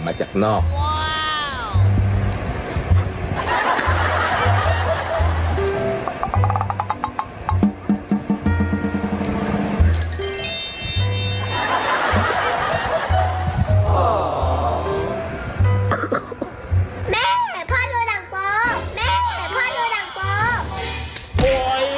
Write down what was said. แม่แต่พ่อดูดังโป